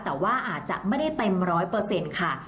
แต่ว่าอาจจะไม่ได้เต็ม๑๐๐ค่ะ